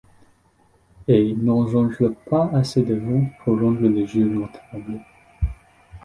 Et n'engendre pas assez de ventes pour rendre le jeu rentable.